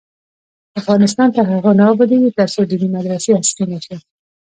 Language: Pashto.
افغانستان تر هغو نه ابادیږي، ترڅو دیني مدرسې عصري نشي.